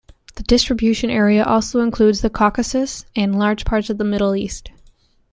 The distribution area also includes the Caucasus and large parts of the Middle East.